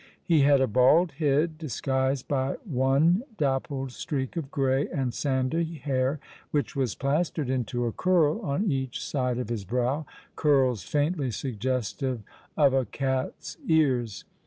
He had a bald head, disguised by one dappled streak of grey and sandy hair, which was plastered into a curl on each side of his brow — curls faintly suggestive of a cat's ears.